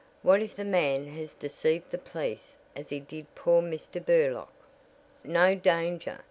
What if the man has deceived the police as he did poor Mr. Burlock?" "No danger.